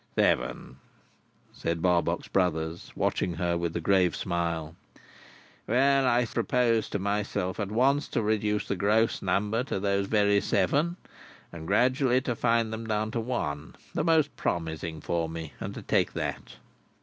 "Seven," said Barbox Brothers, watching her with a grave smile. "Well! I propose to myself, at once to reduce the gross number to those very seven, and gradually to fine them down to one—the most promising for me—and to take that."